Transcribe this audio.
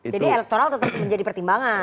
jadi elektoral tetap menjadi pertimbangan